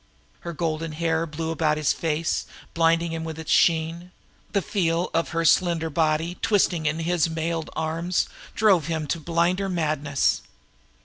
Her golden hair blew about his face, blinding him with its sheen; the feel of her slender figure twisting in his mailed arms drove him to blinder madness.